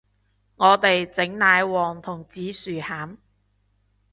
我哋整奶黃同紫薯餡